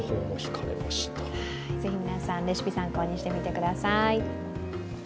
ぜひ皆さん、レシピ参考にしてみてください。